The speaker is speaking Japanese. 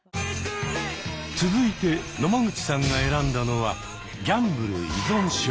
続いて野間口さんが選んだのは「ギャンブル依存症」。